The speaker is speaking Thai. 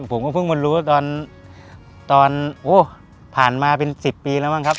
ผมก็เพิ่งมารู้ตอนผ่านมาเป็น๑๐ปีแล้วบ้างครับ